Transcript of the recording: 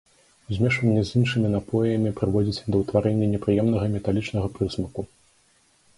Змешванне з іншымі напоямі прыводзіць да ўтварэння непрыемнага металічнага прысмаку.